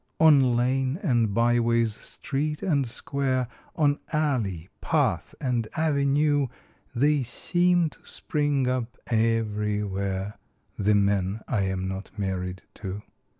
On lane and byways, street and square, On alley, path and avenue, They seem to spring up everywhere The men I am not married to.